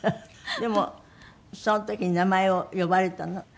でもその時に名前を呼ばれたの？